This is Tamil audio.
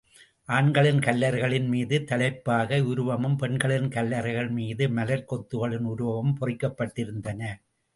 ஆண்களின் கல்லறைகளின் மீது தலைப்பாகை உருவமும் பெண்களின் கல்லறைகள் மீது மலர்க் கொத்துகளின் உருவமும் பொறிக்கப் பட்டிருந்தன.